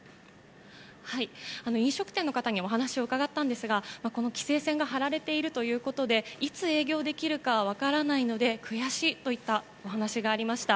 飲食店の方にお話を伺ったんですが規制線が張られているということでいつ営業できるか分からないので悔しいといったお話がありました。